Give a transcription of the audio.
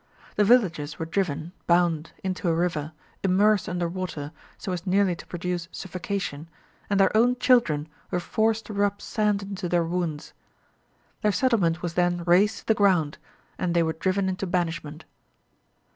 The villagers were driven, bound, into a river, immersed under water so as nearly to produce suffocation, and their own children were forced to rub sand into their wounds. Their settlement was then razed to the ground, and they were driven into banishment.